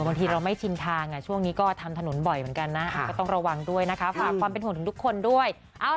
บางทีเราไม่ชินทางช่วงนี้ก็ทำถนนบ่อยเหมือนกันนะก็ต้องระวังด้วยนะคะฝากความเป็นห่วงถึงทุกคนด้วย